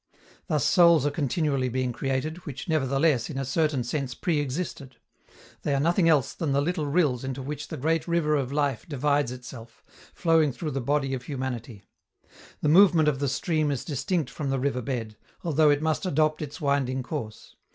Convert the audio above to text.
Thus souls are continually being created, which, nevertheless, in a certain sense pre existed. They are nothing else than the little rills into which the great river of life divides itself, flowing through the body of humanity. The movement of the stream is distinct from the river bed, although it must adopt its winding course.